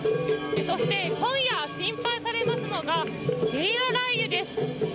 そして、今夜心配されますのがゲリラ雷雨です。